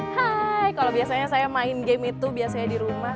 hai kalau biasanya saya main game itu biasanya di rumah